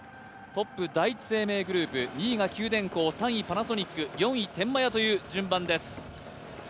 トップ第一生命グループ、２位が九電工３位パナソニック、４位、天満屋という順番です。